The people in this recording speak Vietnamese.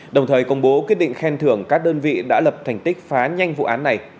đồng thời công bố quyết định khen thưởng các đơn vị đã lập thành tích phá nhanh vụ án này